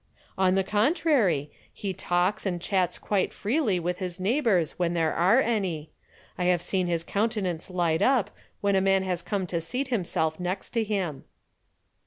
"On the contrary. He talks and chats quite freely with his neighbors when there are any. I have seen his countenance light up when a man has come to seat himself next to him."